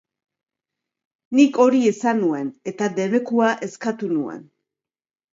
Nik hori esan nuen eta debekua eskatu nuen.